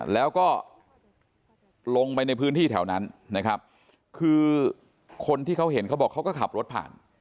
แล้วก็ลงไปในพื้นที่แถวนั้นนะครับคือคนที่เขาเห็นเขาบอกเขาก็ขับรถผ่าน